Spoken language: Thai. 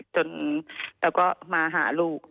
จนเราก็มาหาลูก